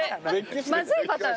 まずいパターン？